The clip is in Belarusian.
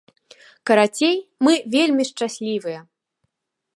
Карацей, мы вельмі шчаслівыя!